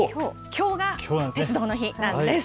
きょうが鉄道の日なんです。